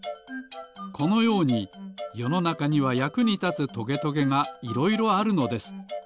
このようによのなかにはやくにたつトゲトゲがいろいろあるのです。